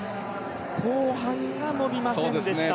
後半が伸びませんでした。